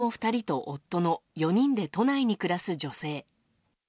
子供２人と夫の４人で都内に暮らす女性。